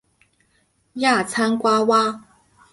亚参爪哇。